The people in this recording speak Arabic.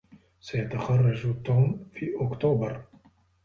سيتخرج توم في أكتوبر.